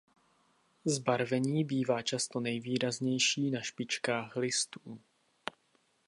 Zbarvení bývá často nejvýraznější na špičkách listů.